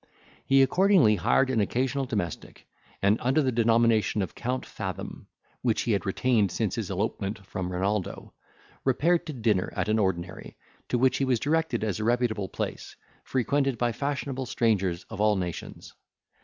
He accordingly hired an occasional domestic, and under the denomination of Count Fathom, which he had retained since his elopement from Renaldo, repaired to dinner at an ordinary, to which he was directed as a reputable place, frequented by fashionable strangers of all nations.